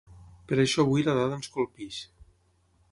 Per això avui la dada ens colpeix.